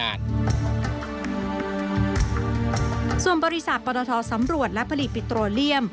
ส่วนบริษัทปตทสำรวจและผลิตปิโตรเลียม